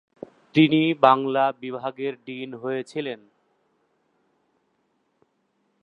তিনি সাংবাদিকতা বিভাগের ডিন হয়েছিলেন।